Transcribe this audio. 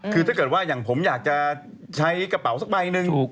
คือถ้าเกิดว่าอย่างผมอยากจะใช้กระเป๋าสักใบหนึ่ง